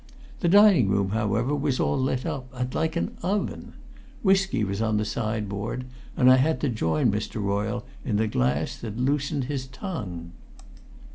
The dining room, however, was all lit up, and like an oven. Whisky was on the side board, and I had to join Mr. Royle in the glass that loosened his tongue.